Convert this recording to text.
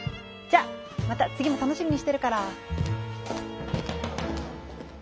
じゃまた次も楽しみにしてるから。